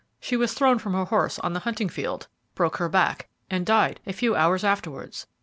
She was thrown from her horse on the hunting field; broke her back, and died a few hours afterwards.